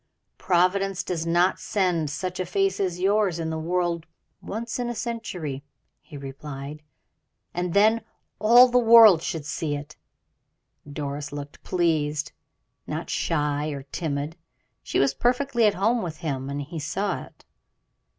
"Providence does not send such a face as yours in the world once in a century," he replied, "and then all the world should see it." Doris looked pleased, not shy or timid; she was perfectly at home with him, and he saw it.